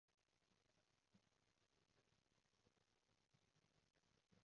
肥肥哋係指肥喺個胸同個籮度